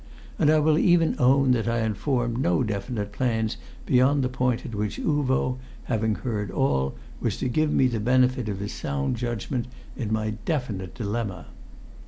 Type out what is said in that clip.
And I will even own that I had formed no definite plans beyond the point at which Uvo, having heard all, was to give me the benefit of his sound judgment in any definite dilemma.